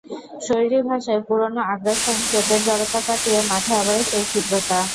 শরীরী ভাষায় পুরোনো আগ্রাসন, চোটের জড়তা কাটিয়ে মাঠে আবারও সেই ক্ষিপ্রতা।